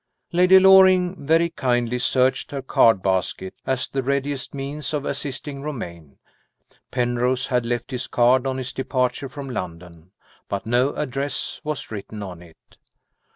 Lady Loring very kindly searched her card basket, as the readiest means of assisting Romayne. Penrose had left his card, on his departure from London, but no address was written on it.